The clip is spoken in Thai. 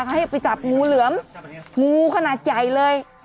ให้ไปจับงูเหลือมงูขนาดใหญ่เลย